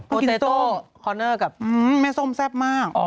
โปเซโต้คอร์เนอร์กับอื้อแม่ส้มแซ่บมาก